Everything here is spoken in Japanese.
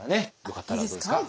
よかったらどうですか？